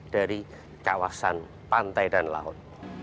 dari kawasan pantai dan laut